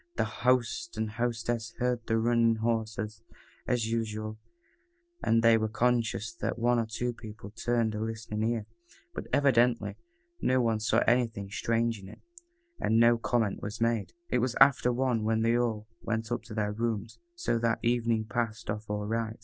The host and hostess heard the running horses, as usual, and they were conscious that one or two people turned a listening ear, but evidently no one saw anything strange in it, and no comment was made. It was after one when they all went up to their rooms, so that evening passed off all right.